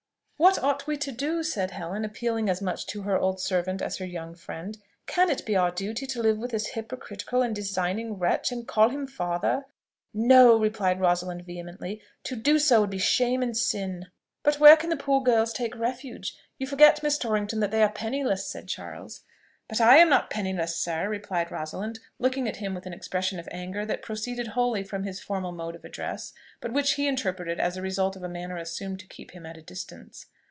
"What ought we to do?" said Helen, appealing as much to her old servant as her young friend. "Can it be our duty to live with this hypocritical and designing wretch, and call him father?" "No!" replied Rosalind vehemently. "To do so would be shame and sin." "But where can the poor girls take refuge? You forget, Miss Torrington, that they are penniless," said Charles. "But I am not penniless, sir," replied Rosalind, looking at him with an expression of anger that proceeded wholly from his formal mode of address, but which he interpreted as the result of a manner assumed to keep him at a distance.